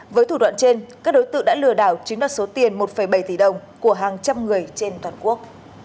với thủ đoạn trên các đối tượng đã lừa đảo chiếm đoạt số tiền một bảy tỷ đồng của hàng trăm người trên toàn quốc